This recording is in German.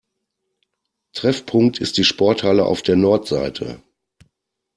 Treffpunkt ist die Sporthalle auf der Nordseite.